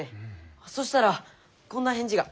そしたらこんな返事が。